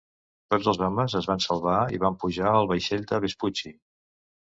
Tots els homes es van salvar i van pujar al vaixell de Vespucci.